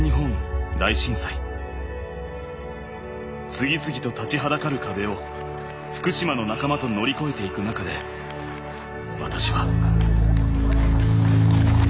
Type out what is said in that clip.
次々と立ちはだかる壁を福島の仲間と乗り越えていく中で私は。